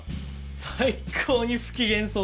最高に不機嫌そうだねえ。